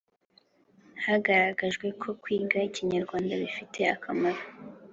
Hagaragajwe ko kwiga Ikinyarwanda bifite akamaro